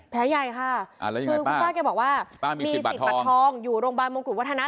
แผลใหญ่ค่ะคือคุณป้าแกบอกว่ามีสิทธิ์ตัดทองอยู่โรงพยาบาลมงกุฎวัฒนะ